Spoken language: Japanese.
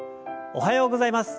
おはようございます。